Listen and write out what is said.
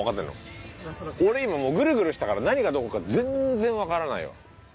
俺今もうグルグルしたから何がどこか全然わからないよ。